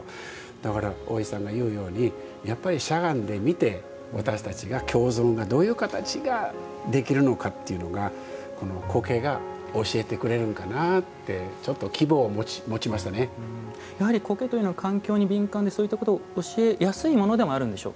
だから、大石さんが言うようにやっぱり、しゃがんで見て私たちが共存がどういう形でできるのかというのがこの苔が教えてくれるんかなあってやはり苔というのは環境に敏感でそういったことを教えやすいはい。